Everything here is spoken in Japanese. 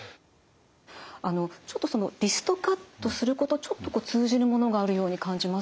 あのちょっとそのリストカットする子とちょっとこう通じるものがあるように感じます。